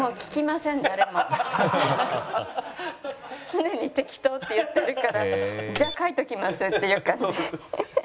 常に適当って言ってるからじゃあ書いておきますっていう感じ。